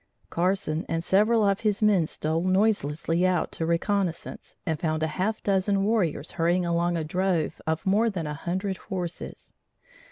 Carson and several of his men stole noiselessly out to reconnaissance and found a half dozen warriors hurrying along a drove of more than a hundred horses.